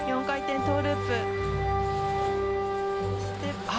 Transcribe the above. ４回転トーループ。